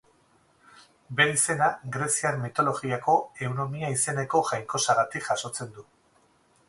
Bere izena greziar mitologiako Eunomia izeneko jainkosagatik jasotzen du.